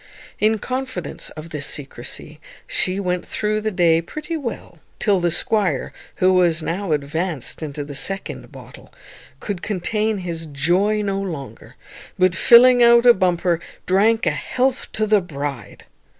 In confidence of this secrecy she went through the day pretty well, till the squire, who was now advanced into the second bottle, could contain his joy no longer, but, filling out a bumper, drank a health to the bride.